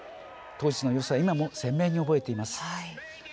当時の様子は今も鮮明に記憶に残っています。